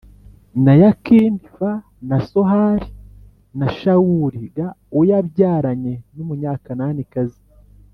na Yakini f na Sohari na Shawuli g uwo yabyaranye n Umunyakananikazi